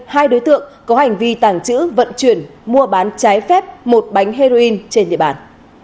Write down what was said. hai đối tượng có hành vi tàng trữ vận chuyển mua bán trái phép một bánh heroin trên địa bàn